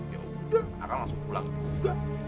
yaudah akang langsung pulang juga